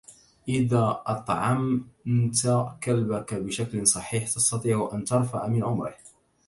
إذا أطعمت كلبك بشكل صحيح، تستطيع أن ترفع من عمره.